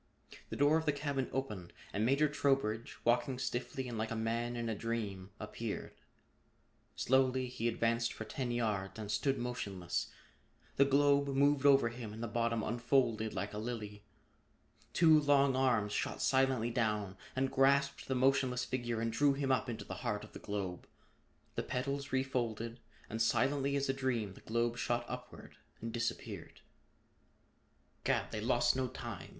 The door of the cabin opened and Major Trowbridge, walking stiffly and like a man in a dream, appeared. Slowly he advanced for ten yards and stood motionless. The globe moved over him and the bottom unfolded like a lily. Two long arms shot silently down and grasped the motionless figure and drew him up into the heart of the globe. The petals refolded, and silently as a dream the globe shot upward and disappeared. "Gad! They lost no time!"